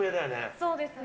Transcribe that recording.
そうですね。